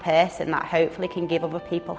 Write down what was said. saya sangat bangga menjadi orang yang bisa memberikan